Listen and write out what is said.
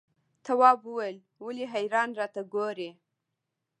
تواب وويل: ولې حیرانې راته ګوري؟